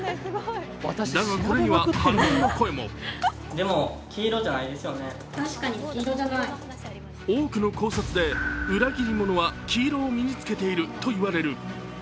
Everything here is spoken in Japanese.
だが、これには反論の声も多くの考察で裏切り者は黄色を身につけているといわれる。